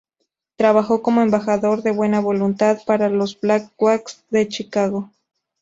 Trabajó como embajador de buena voluntad para los Blackhawks de Chicago.